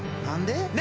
何で？